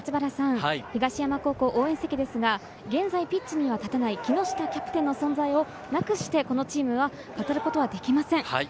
東山高校応援席ですが現在ピッチには立てない木下キャプテンの存在をなくしてこのチームは語ることはできません。